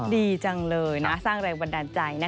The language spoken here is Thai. ดีจังเลยนะสร้างแรงบันดาลใจนะคะ